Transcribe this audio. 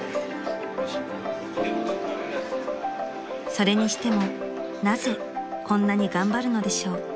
［それにしてもなぜこんなに頑張るのでしょう？］